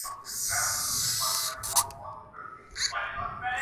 تو اور کون رہ گیا ہے؟